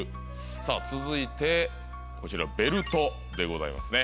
さぁ続いてこちらベルトでございますね。